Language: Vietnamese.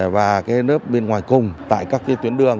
và cái nớp bên ngoài cùng tại các cái tuyến đường